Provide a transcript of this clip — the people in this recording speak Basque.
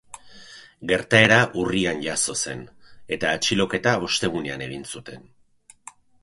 Gertaera urrian jazo zen, eta atxiloketa ostegunean egin zuten.